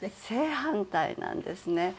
正反対なんですね。